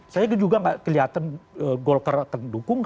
saya juga gak kelihatan gol keratang dukung